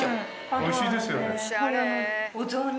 ・おいしいですよね・お雑煮！？